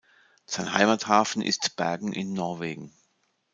Sein Heimathafen ist Bergen in Norwegen.